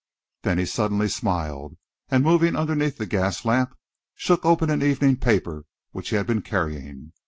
Then he suddenly smiled, and moving underneath the gas lamp, shook open an evening paper which he had been carrying.